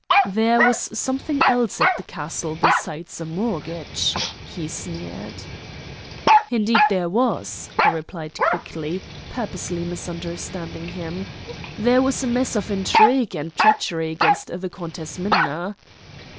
"There was something else at the castle besides a mortgage," he sneered. "Indeed there was," I replied quickly, purposely misunderstanding him. "There was a mess of intrigue and treachery against the Countess Minna."